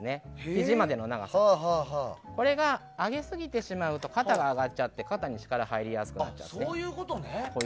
肘までの長さこれを上げすぎてしまうと肩が上がってしまって肩に力が入りやすくなっちゃう。